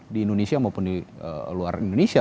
di indonesia maupun di luar indonesia